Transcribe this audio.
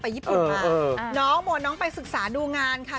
ญี่ปุ่นมาน้องมวลน้องไปศึกษาดูงานค่ะ